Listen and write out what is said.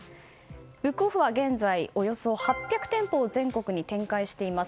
ブックオフは現在およそ８００店舗を全国に展開しています。